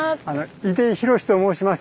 出居博と申します。